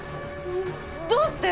どうして？